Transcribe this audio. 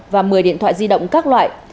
và một mươi điện thoại di động các loại